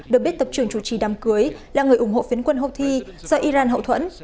được biết tập trường chủ trì đám cưới là người ủng hộ phiến quân houthi do iran hậu thuẫn